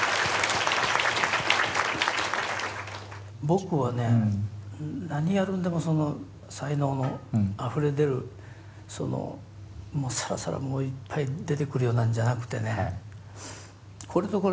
僕はね何やるんでもその才能のあふれ出るそのサラサラもういっぱい出てくるようなんじゃなくてね「これとこれとどっちがいいんだろう。